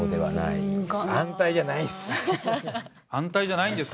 安泰じゃないんですか？